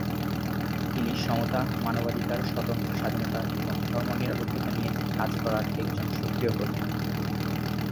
তিনি সমতা, মানবাধিকার, স্বতন্ত্র স্বাধীনতা এবং ধর্মনিরপেক্ষতা নিয়ে কাজ করার একজন সক্রিয় কর্মী।